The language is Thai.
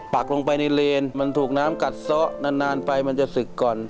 ปักลงไปในเลนมันถูกน้ำกัดซ้อนานไปมันจะศึกก่อน